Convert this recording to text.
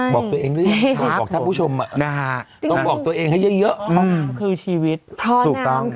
บอกตัวเองหรือไม่บอกให้ท่านผู้ชม